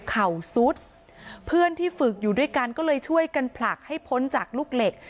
เข่าซุดเพื่อนที่ฝึกอยู่ด้วยกันก็เลยช่วยกันผลักให้พ้นจากลูกเหล็ก